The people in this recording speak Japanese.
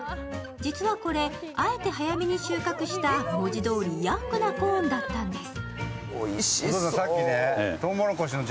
実はこれ、あえて早めに収穫した文字どおりヤングなコーンだったんです。